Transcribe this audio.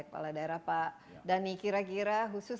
kepala daerah pak dhani kira kira khusus